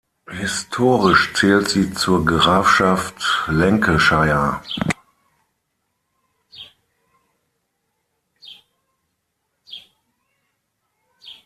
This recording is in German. Historisch zählt sie zur Grafschaft Lancashire.